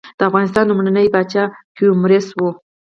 د افغانستان لومړنی پاچا کيومرث وه.